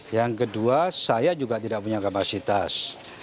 yang kedua saya juga tidak punya kapasitas